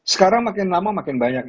sekarang makin lama makin banyak